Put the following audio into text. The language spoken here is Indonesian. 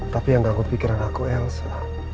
tapi yang ganggu pikiran aku elsa